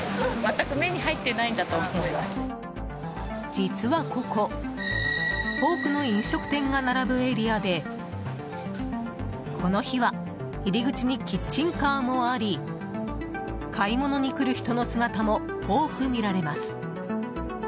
実はここ多くの飲食店が並ぶエリアでこの日は入り口にキッチンカーもあり買い物に来る人の姿も多く見られます。